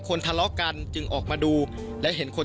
ช่วยเร่งจับตัวคนร้ายให้ได้โดยเร่ง